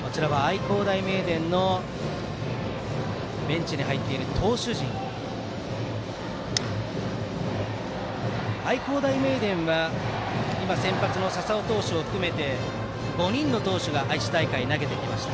愛工大名電のベンチに入っている投手陣ですが愛工大名電は今先発の笹尾投手を含め５人の投手が愛知大会で投げてきました。